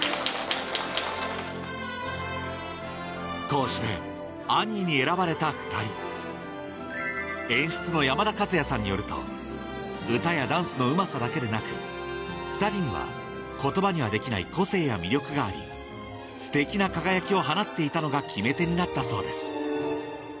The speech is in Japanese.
こうしてアニーに選ばれた２人演出の山田和也さんによると歌やダンスのうまさだけでなく２人には言葉にはできない個性や魅力がありステキな輝きを放っていたのが決め手になったそうです